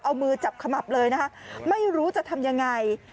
เอามือจับขมับเลยนะคะไม่รู้จะทำยังไง